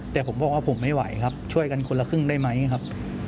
แต่ผมบอกว่าผมไม่ไหวครับช่วยกันคนละครึ่งได้ไหมครับ